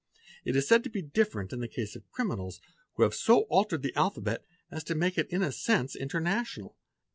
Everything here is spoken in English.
It is said to be different in the case of criminals, who have so altered 7 the alphabet as to make it in a sense international.